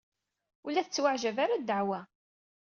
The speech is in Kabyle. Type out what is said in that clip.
Ur la tettweɛjab ara ddeɛwa.